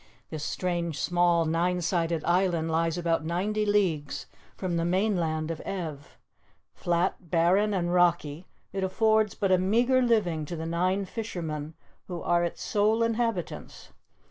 This strange small nine sided island lies about ninety leagues from the mainland of Ev. Flat, barren and rocky, it affords but a meager living to the nine fishermen who are its sole inhabitants.